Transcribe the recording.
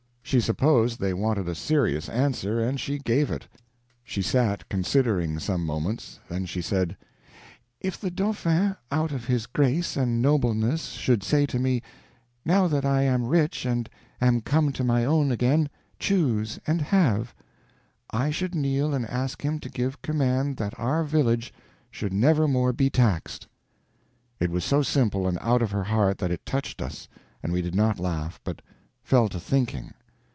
She supposed they wanted a serious answer, and she gave it. She sat considering some moments, then she said: "If the Dauphin, out of his grace and nobleness, should say to me, 'Now that I am rich and am come to my own again, choose and have,' I should kneel and ask him to give command that our village should nevermore be taxed." It was so simple and out of her heart that it touched us and we did not laugh, but fell to thinking.